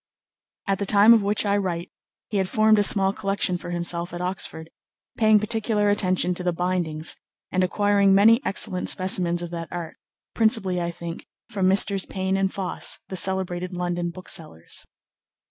At the time of which I write he had formed a small collection for himself at Oxford, paying particular attention to the bindings, and acquiring many excellent specimens of that art, principally I think, from Messrs. Payne & Foss, the celebrated London booksellers.